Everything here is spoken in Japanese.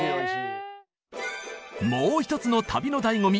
もう一つの旅の醍醐味